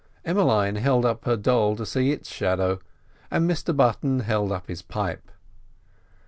Emmeline held up her doll to see its shadow, and Mr Button held up his pipe.